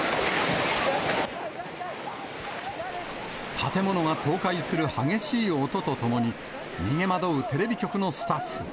建物が倒壊する激しい音とともに、逃げ惑うテレビ局のスタッフ。